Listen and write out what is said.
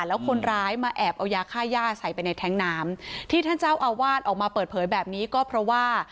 แล้วคนร้ายมาแอบเอายาค่าย่าใส่ไปในแท้งน้ำที่ท่านเจ้าอาวาสออกมาเปิดเผยแบบนี้ก็เพราะว่า